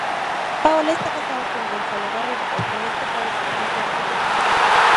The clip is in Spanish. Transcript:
Paola está casada con Gonzalo Garrido, otro destacado ciclista chileno.